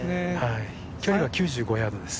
距離は９５ヤードです。